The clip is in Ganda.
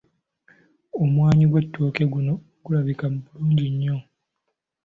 Omunwe gw’ettooke guno gulabika bulungi nnyo.